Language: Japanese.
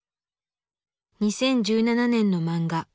２０１７年の漫画。